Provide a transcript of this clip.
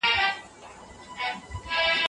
موږ په نوي ماډل باندې بحث کوو.